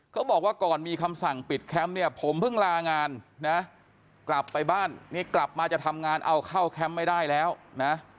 บอกว่าก่อนมีคำสั่งปิดแคมป์เนี่ยผมเพิ่งลางานนะกลับไปบ้านนี่กลับมาจะทำงานเอาเข้าแคมป์ไม่ได้แล้วนะ